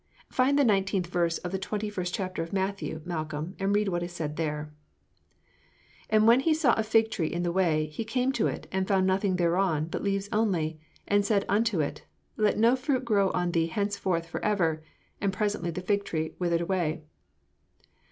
Find the nineteenth verse of the twenty first chapter of Matthew, Malcolm, and read what is said there." Mark xi. 13. "'And when he saw a fig tree in the way, he came to it, and found nothing thereon, but leaves only, and said unto it, Let no fruit grow on thee henceforward for ever. And presently the fig tree withered away.'"